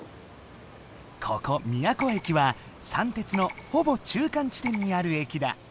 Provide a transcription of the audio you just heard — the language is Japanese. ここ宮古駅はさんてつのほぼ中間地点にある駅だ。